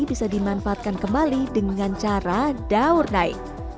bisa dimanfaatkan kembali dengan cara daur naik